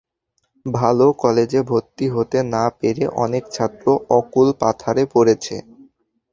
ভালাে কলেজে ভর্তি হতে না পেরে অনেক ছাত্র অকূল পাথারে পড়েছে।